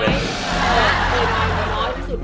เหมือนกับมือรั้อน